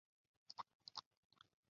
很大程度上促成音乐游戏的发展。